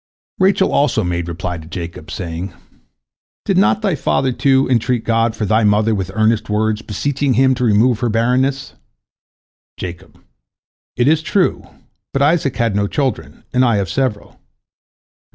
'" Rachel also made reply to Jacob, saying: "Did not thy father, too, entreat God for thy mother with earnest words, beseeching Him to remove her barrenness?" Jacob: "It is true, but Isaac had no children, and I have several."